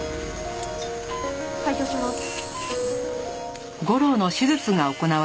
開頭します。